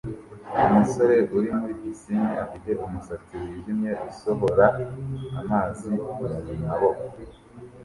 Umusore uri muri pisine afite umusatsi wijimye usohora amazi mumaboko